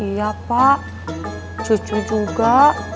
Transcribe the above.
iya pak cucu juga